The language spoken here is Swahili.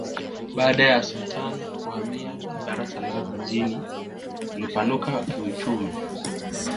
baada ya sultani kuhamia dar es salaam mji ulipanuka kiuchumi